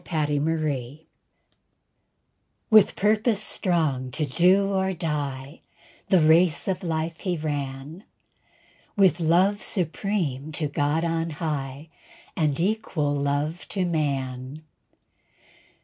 A TRUE MAN With purpose strong to do or die, The race of life he ran, With love supreme to God on high, And equal love to man.